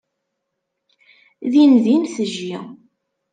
Dindin tejji.